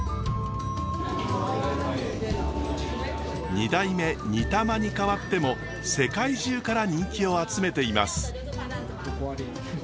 ２代目ニタマに替わっても世界中から人気を集めています。